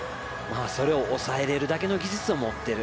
それを抑えられるだけの技術を持っている。